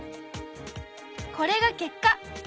これが結果！